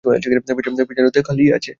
পেছনেও তো খালি আছে।